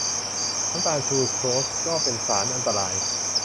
น้ำตาลซูโครสก็เป็นสารอันตราย